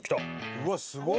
うわっすごい！